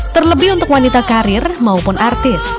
terlebih untuk wanita karir maupun artis